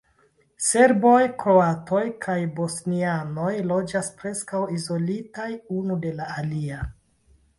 Serboj, kroatoj kaj bosnianoj loĝas preskaŭ izolitaj unu de la alia.